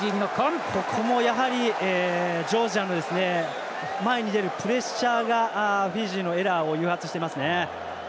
ここもやはりジョージアの前に出るプレッシャーがフィジーのエラーを誘発していますね。